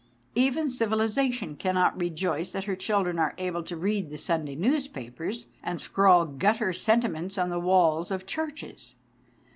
Even civilisation cannot rejoice that her children are able to read the Sunday newspapers and scrawl gutter sentiments on the walls of churches.